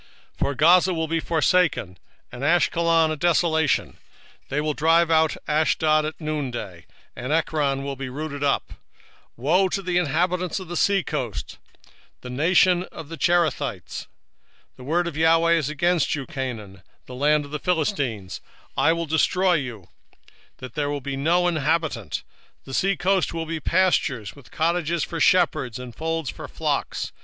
2:4 For Gaza shall be forsaken, and Ashkelon a desolation: they shall drive out Ashdod at the noon day, and Ekron shall be rooted up. 2:5 Woe unto the inhabitants of the sea coast, the nation of the Cherethites! the word of the LORD is against you; O Canaan, the land of the Philistines, I will even destroy thee, that there shall be no inhabitant. 2:6 And the sea coast shall be dwellings and cottages for shepherds, and folds for flocks.